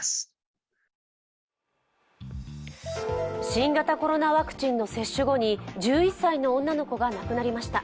新型コロナワクチンの接種後に１１歳の女の子が亡くなりました。